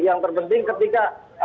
yang terpenting ketika